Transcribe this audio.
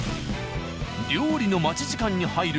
料理の待ち時間に入る